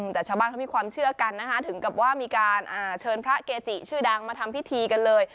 แต่ชาวบ้านเขามีความเชื่อกันนะคะถึงกับว่ามีการเชิญพระเกจิชื่อดังมาทำพิธีกันเลย